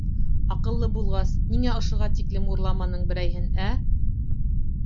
Аҡыллы булғас, ниңә ошоға тиклем урламаның берәйһен, ә?